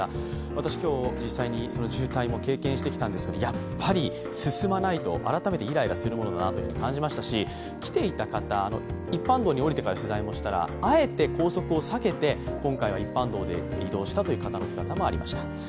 私、実際に今日渋滞を経験してきたんですけどやっぱり進まないと改めてイライラするものだなと感じましたし、来ていた方、一般道に下りてから取材をしたらあえて高速を避けて、今回は一般道で移動したという方の姿もありました。